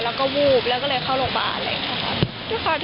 แล้วก็วูบแล้วก็เลยเข้าโรงพยาบาลอะไรอย่างนี้